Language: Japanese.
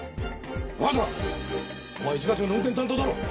お前一課長の運転担当だろう！